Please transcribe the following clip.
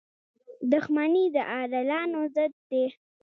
• دښمني د عادلانو ضد ده.